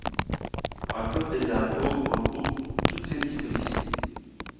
Un code des impôts regroupe toutes ces dispositions.